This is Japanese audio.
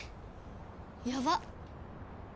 やばっ。